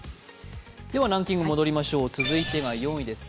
ではランキング戻りましょう、続いては４位です。